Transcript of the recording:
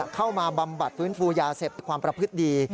เข้ามาบำบัดฟื้นฟูยาเสพความประพฤติดี